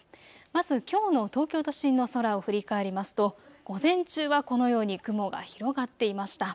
まず、きょうの東京都心の空を振り返りますと午前中はこのように雲が広がっていました。